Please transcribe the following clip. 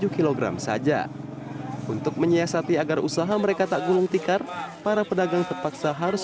tujuh kg saja untuk menyiasati agar usaha mereka tak gulung tikar para pedagang terpaksa harus